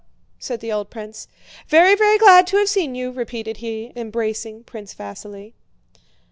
said the old prince. "Very, very glad to have seen you," repeated he, embracing Prince Vasíli.